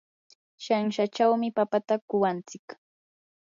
shanshachawmi papata kuwantsik.